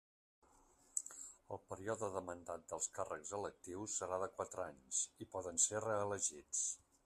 El període de mandat dels càrrecs electius serà de quatre anys i poden ser reelegits.